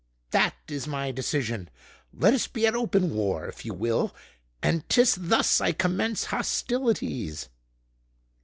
That is my decision. Let us be at open war, if you will: and 'tis thus I commence hostilities!"